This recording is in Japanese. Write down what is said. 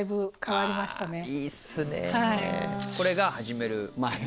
これが始める前。